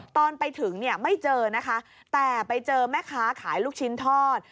ตอนไปถึงเนี่ยไม่เจอนะคะแต่ไปเจอแม่ค้าขายลูกชิ้นทอด